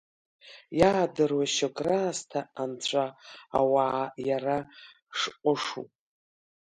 Иаадыруа шьоук раасҭа, анцәа-ауаа, иара шҟәышу.